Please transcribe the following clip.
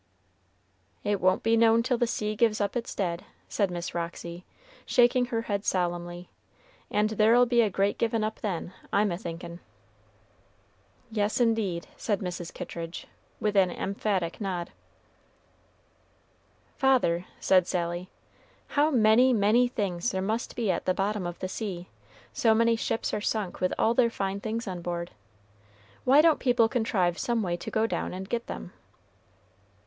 "It won't be known till the sea gives up its dead," said Miss Roxy, shaking her head solemnly, "and there'll be a great givin' up then, I'm a thinkin'." "Yes, indeed," said Mrs. Kittridge, with an emphatic nod. "Father," said Sally, "how many, many things there must be at the bottom of the sea, so many ships are sunk with all their fine things on board. Why don't people contrive some way to go down and get them?"